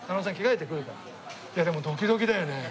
いやでもドキドキだよね。